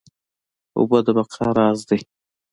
اوبه د بقا راز دي